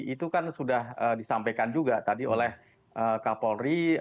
itu kan sudah disampaikan juga tadi oleh kapolri